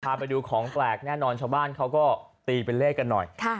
พาไปดูของแปลกแน่นอนชาวบ้านเขาก็ตีเป็นเลขกันหน่อย